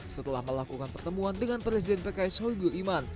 setelah melakukan pertemuan dengan presiden pks sohibul iman